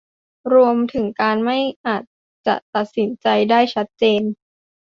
รวมถึงการไม่อาจจะตัดสินใจได้ชัดเจน